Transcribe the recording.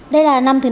đây là năm thứ ba